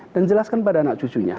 dan jelaskan pada anak cucunya